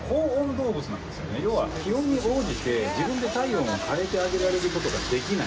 要は気温に応じて自分で体温を変えてあげられる事ができない。